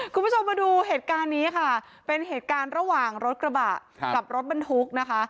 คุณผู้ชมมาดูเหตุการณ์นี้ค่ะเป็นเหตุการณ์ระหว่างรถกระบะกับรถบรรทุกนะคะ